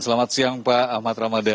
selamat siang pak ahmad ramadan